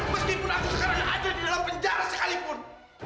meskipun aku sekarang ada di dalam penjara sekalipun